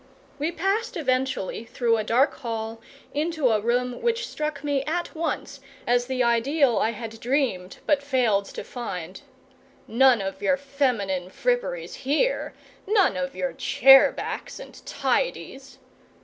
We passed eventually through a dark hall into a room which struck me at once as the ideal I had dreamed but failed to find. None of your feminine fripperies here! None of your chair backs and tidies!